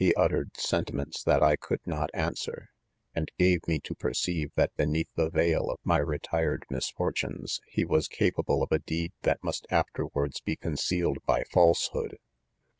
He uttered sentiments that I could not answer j and gave me to perceive, that beneath the veil of my re tired misfortunes, he was capable of a deed that mast afterwards be concealed by falsehood.